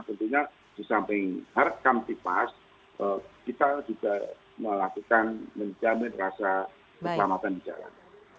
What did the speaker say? tentunya di samping hard kamtipas kita juga melakukan menjamin rasa keselamatan di jalan